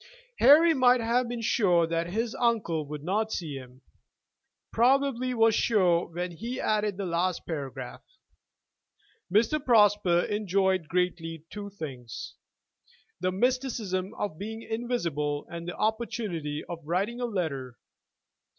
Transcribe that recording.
Harry might have been sure that his uncle would not see him, probably was sure when he added the last paragraph. Mr. Prosper enjoyed greatly two things, the mysticism of being invisible and the opportunity of writing a letter.